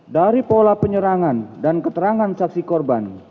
dari pola penyerangan dan keterangan saksi korban